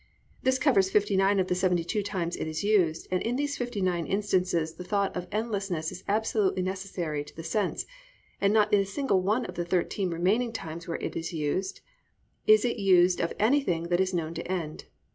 This covers fifty nine of the seventy two times it is used, and in these fifty nine instances the thought of endlessness is absolutely necessary to the sense, and in not a single one of the thirteen remaining times where it is used is it used of anything that is known to end.